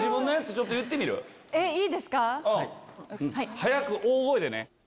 早く大声でね。